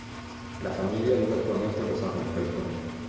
La familia vive actualmente en Los Ángeles, California.